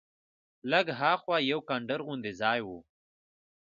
لږ ها خوا یو کنډر غوندې ځای و.